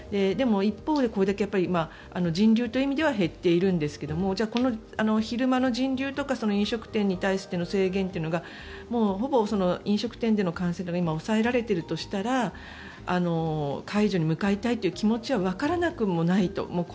でも一方で、これだけやっぱり人流という意味では減ってるんですがじゃあこの昼間の人流とか飲食店に対しての制限というのがほぼ飲食店での感染が今、抑えられているとしたら解除に向かいたいという気持ちはわからなくもないと。